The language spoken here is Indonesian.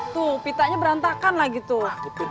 tuh pitanya berantakan lagi tuh